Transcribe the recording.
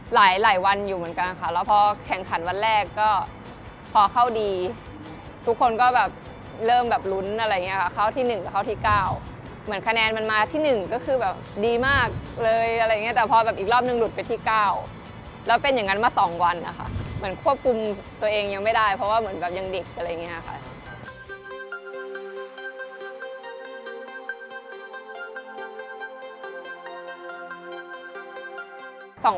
หลายหลายวันอยู่เหมือนกันค่ะแล้วพอแข่งขันวันแรกก็พอเข้าดีทุกคนก็แบบเริ่มแบบลุ้นอะไรอย่างเงี้ยค่ะเข้าที่หนึ่งเข้าที่เก้าเหมือนคะแนนมันมาที่หนึ่งก็คือแบบดีมากเลยอะไรอย่างเงี้ยแต่พอแบบอีกรอบหนึ่งหลุดไปที่เก้าแล้วเป็นอย่างงั้นมาสองวันค่ะเหมือนควบคุมตัวเองยังไม่ได้เพราะว่าเหมือนแบบยัง